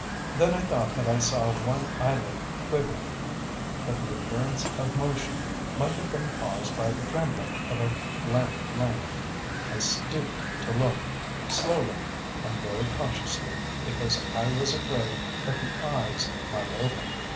"Then I thought that I saw one eyelid quiver. But the appearance of motion might have been caused by the trembling of a lamp flame. I stooped to look slowly, and very cautiously, because I was afraid that the eyes might open.